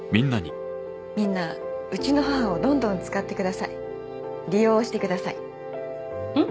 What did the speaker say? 「みんなうちの母をどんどん使ってください」「利用してください」ん？